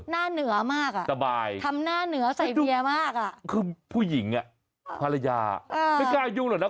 หน้าเหนือมากอ่ะสบายทำหน้าเหนือใส่เบียร์มากอ่ะคือผู้หญิงอ่ะภรรยาไม่กล้ายุ่งหรอกนะ